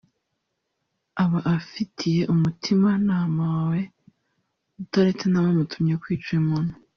aba afitiye umutima nama we utaretse n’abamutumye kwica uyu muntu